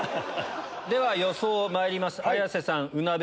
では予想まいります綾瀬さん。